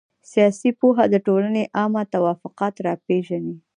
سياسي پوهه د ټولني عامه توافقات را پېژني.